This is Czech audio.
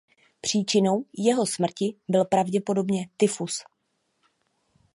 Příčinou jeho smrti byl pravděpodobně tyfus.